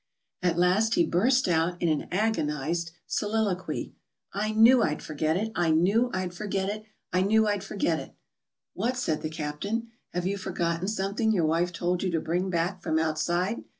At last he burst out in an agonized soliloquy: "I knew I'd forget it! I knew I'd forget it! I knew I'd forget it!" "What," said the captain, "have you forgotten some thing your wife told you to bring back from outside?"